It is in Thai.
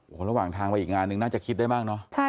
โหระหว่างทางกันอีกอันนึงน่าจะคิดได้มากเนาะ